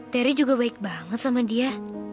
teri juga baik banget sama dia